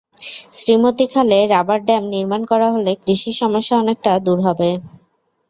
শ্রীমতী খালে rubber dam নির্মাণ করা হলে কৃষির সমস্যা অনেকটা দূর হবে।